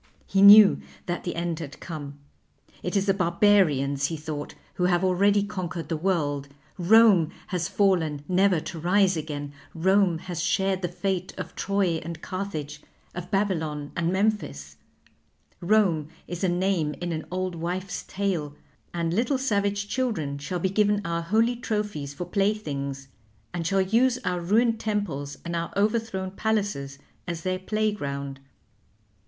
He knew that the end had come. It is the Barbarians, he thought, who have already conquered the world. Rome has fallen never to rise again; Rome has shared the fate of Troy and Carthage, of Babylon, and Memphis; Rome is a name in an old wife's tale; and little savage children shall be given our holy trophies for playthings, and shall use our ruined temples and our overthrown palaces as their playground.